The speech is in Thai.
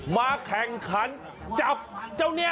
มาแข่งขันจับเจ้าเนี่ย